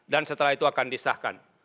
dan setelah itu akan disahkan